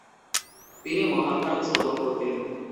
তিনি মহাভারত শ্রবণ করতেন।